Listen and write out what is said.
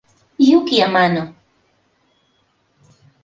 Yuki Amano